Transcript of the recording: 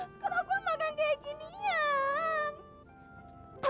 sekarang aku mau makan kayak gini ya